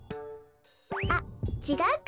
あっちがうか。